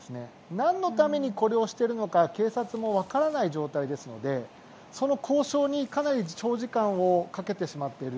何のためにこれをしているのか警察も分からない状態ですのでその交渉にかなり長時間をかけてしまっている。